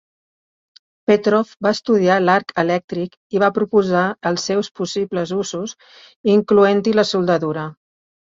Petrov va estudiar l'arc elèctric i va proposar els seus possibles usos, incloent-hi la soldadura.